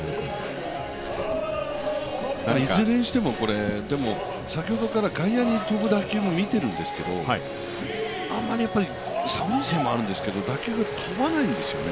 いずれにしても、先ほどから外野に飛ぶ打球も見ているんですけど寒いせいもあるんですけど、打球があんまり飛ばないんですよね。